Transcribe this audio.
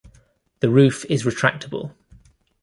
The roof is retractable.